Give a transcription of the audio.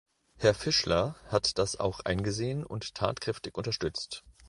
Herr Fischler hat das auch eingesehen und tatkräftig unterstützt.